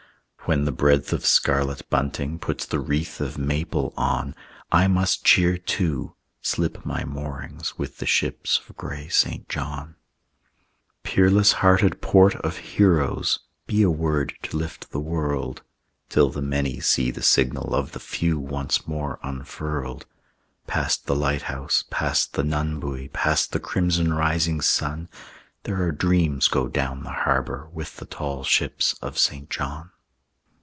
When the breadth of scarlet bunting Puts the wreath of maple on, I must cheer too, slip my moorings With the ships of gray St. John. Peerless hearted port of heroes, Be a word to lift the world, Till the many see the signal Of the few once more unfurled. Past the lighthouse, past the nunbuoy, Past the crimson rising sun, There are dreams go down the harbor With the tall ships of St. John.